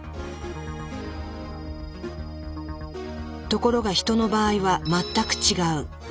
ところがヒトの場合は全く違う。